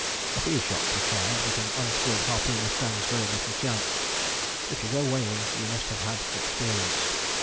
A few shots were tried, but an unskilled harpooner stands very little chance. If you go whaling you must have had experience.